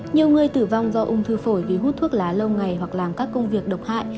nhiều người tử vong do ung thư phổi vì hút thuốc lá lâu ngày hoặc làm các công việc độc hại